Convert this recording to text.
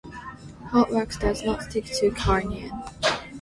Hot wax does not stick to carnelian.